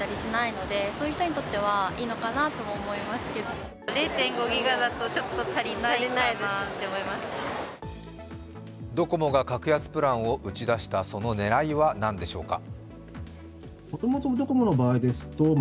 この格安プランに街の人はドコモが格安プランを打ち出したその狙いは何でしょうか。